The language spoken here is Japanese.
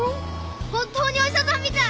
本当にお医者さんみたい。